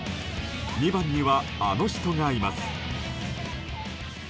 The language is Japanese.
２番にはあの人がいます。